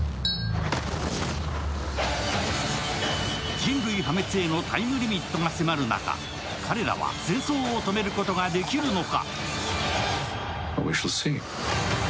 人類破滅へのタイムリミットが迫る中、彼らは戦争を止めることができるのか。